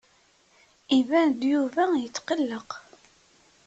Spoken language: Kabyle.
Iban-d Yuba yettqelleq.